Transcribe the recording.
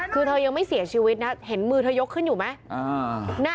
คือเธอยังไม่เสียชีวิตนะเห็นมือเธอยกขึ้นอยู่ไหม